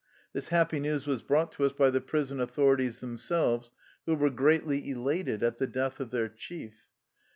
This happy news was brought to us by the prison authorities themselves who were greatly elated at the death of their chief.